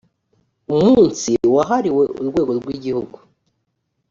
umunsi wahariwe urwego rw’igihugu